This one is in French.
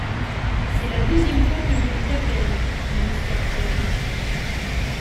C’est la deuxième fois que je vous appelle, dit Mr. Fogg.